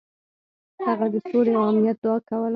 هغه د سولې او امنیت دعا کوله.